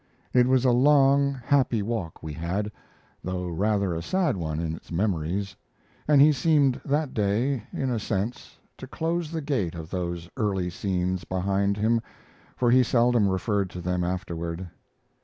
It was a long, happy walk we had, though rather a sad one in its memories; and he seemed that day, in a sense, to close the gate of those early scenes behind him, for he seldom referred to them afterward.